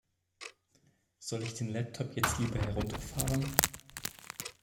Soll ich den Laptop jetzt lieber herunterfahren?